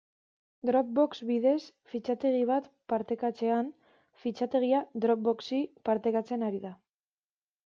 Dropbox bidez fitxategi bat partekatzean, fitxategia Dropboxi partekatzen ari da.